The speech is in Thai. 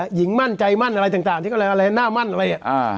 หญิงมั่นใจมั่นอะไรต่างที่อะไรหน้ามั่นอะไร